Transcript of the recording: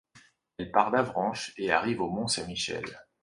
Elle part d'Avranches et arrive au Mont-Saint-Michel.